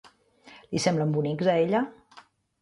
Li semblen bonics a ella?